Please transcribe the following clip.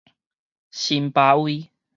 辛巴威